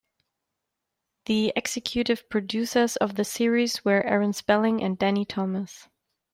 The executive producers of the series were Aaron Spelling and Danny Thomas.